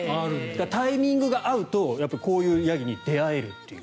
タイミングが合うとこういうヤギに出会えるという。